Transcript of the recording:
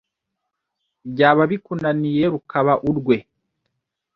byaba bikunaniye rukaba urwe